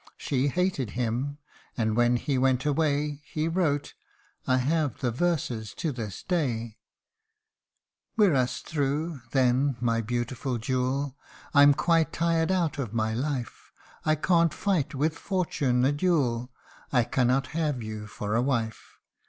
She hated him ; and when he went away, He wrote I have the verses to this day : Wirasthru ! then, my beautiful jewel, I'm quite tired out of my life. I can't fight with Fortune a duel, I cannot have you for a wife.